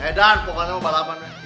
eh dan pokoknya mau balapan ya